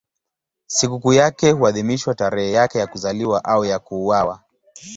Sikukuu yake huadhimishwa tarehe yake ya kuzaliwa au ya kuuawa.